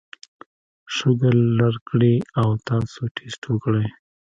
شوګر لر کړي او تاسو ټېسټ وکړئ